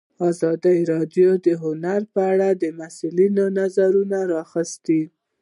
ازادي راډیو د هنر په اړه د مسؤلینو نظرونه اخیستي.